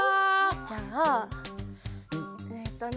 じゃあえっとね。